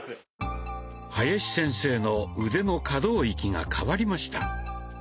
林先生の腕の可動域が変わりました。